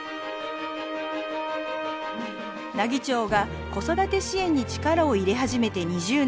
奈義町が子育て支援に力を入れ始めて２０年。